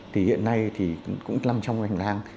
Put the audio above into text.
thì hiện nay thì cũng nằm trong hành lang